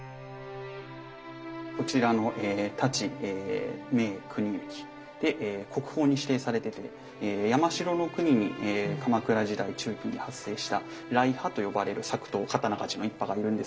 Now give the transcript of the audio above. こちらの太刀銘国行で国宝に指定されてて山城国に鎌倉時代中期に発生した来派と呼ばれる作刀刀鍛冶の一派がいるんですけれども。